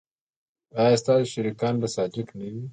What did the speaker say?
ایا ستاسو شریکان به صادق نه وي؟